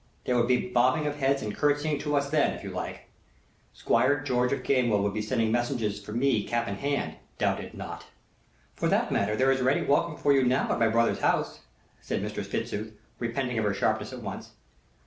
There would be bobbing of heads and curtseying to us then, if you like. Squire George of Gamewell would be sending messengers for me cap in hand doubt it not." "For that matter, there is ready welcome for you now at my brother's house," said Mistress Fitzooth, repenting of her sharpness at once.